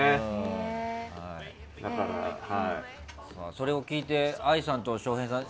それを聞いて愛さんと翔平さん